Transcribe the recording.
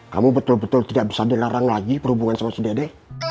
kamu betul betul tidak bisa dilarang lagi berhubungan sama si dede